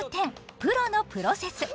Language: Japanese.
プロのプロセス」。